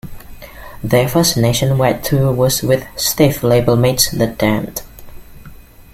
Their first nationwide tour was with Stiff labelmates the Damned.